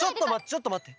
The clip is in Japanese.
ちょっとまって！